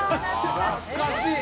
懐かしい！